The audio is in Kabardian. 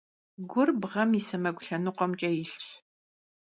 Гур бгъэм и сэмэгу лъэныкъумкӀэ илъщ.